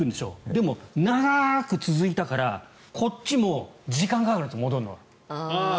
でも長く続いたからこっちも時間がかかるんです戻るのが。